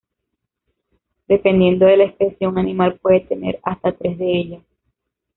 Dependiendo de la especie, un animal puede tener hasta tres de ellas.